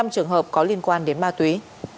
hai trăm hai mươi năm trường hợp có liên quan đến ma túy